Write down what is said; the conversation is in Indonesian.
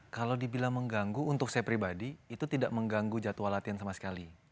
kalau dibilang mengganggu untuk saya pribadi itu tidak mengganggu jadwal latihan sama sekali